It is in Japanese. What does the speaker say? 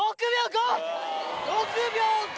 ６秒５！